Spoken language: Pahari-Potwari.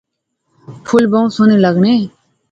پُھل بہوں سونے لغنے